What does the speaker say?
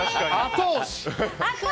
後押し！